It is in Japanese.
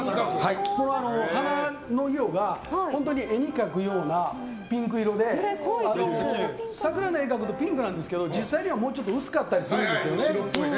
花の色が絵に描くようなピンク色で桜の絵を描くとピンクなんですけども実際にはもうちょっと薄かったりするんですよね。